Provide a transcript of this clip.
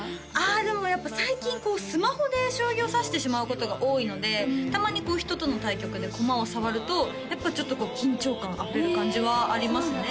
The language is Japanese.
あでもやっぱ最近スマホで将棋を指してしまうことが多いのでたまに人との対局で駒を触るとやっぱちょっとこう緊張感あふれる感じはありますね